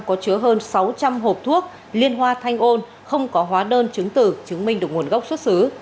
có chứa hơn sáu trăm linh hộp thuốc liên hoa thanh ôn không có hóa đơn chứng tử chứng minh được nguồn gốc xuất xứ